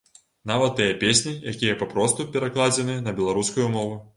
Нават тыя песні, якія папросту перакладзеныя на беларускую мову.